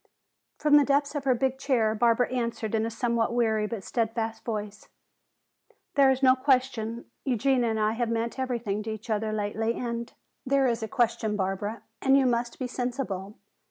From the depth of her big chair Barbara answered in a somewhat weary but steadfast voice: "There is no question; Eugenia and I have meant everything to each other lately, and " "There is a question, Barbara, and you must be sensible.